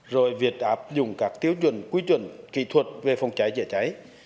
rồi việc áp dụng các tiêu chuẩn quy chuẩn kỹ thuật về phòng cháy chữa cháy